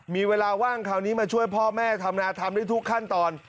มีเวลาว่างคราวนี้มาช่วยพ่อแม่ทำนาทำได้ทุกขั้นตอน